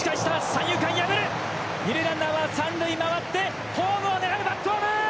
三塁ランナーは三塁を回って、ホームを狙う、バックホーム！